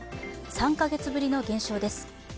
３カ月ぶりの減少です。